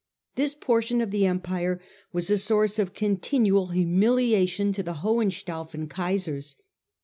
This portion of the Empire was a source of continual humiliation to the Hohenstaufen Kaisers.